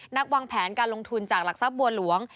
วางแผนการลงทุนจากหลักทรัพย์บัวหลวง